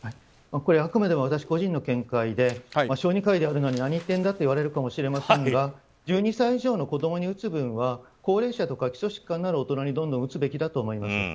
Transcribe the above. あくまでも私個人の見解で小児科医なのに何言ってるんだと言われるかもしれませんが１２歳以上の子供に打つ分は高齢者や基礎疾患のある大人にどんどん打つべきだと思います。